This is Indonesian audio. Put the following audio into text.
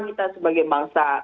kita sebagai bangsa